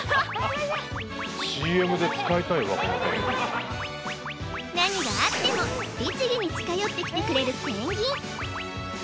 頑張れ何があっても律義に近寄ってきてくれるペンギン